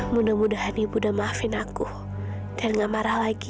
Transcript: mudah mudahan ibu udah maafin aku dan gak marah lagi